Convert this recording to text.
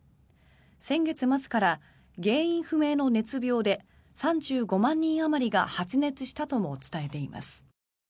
先月末から原因不明の熱病で３５万人あまりが発熱したとも伝えています。